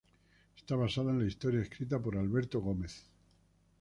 Está basada en la historia escrita por Alberto Gómez.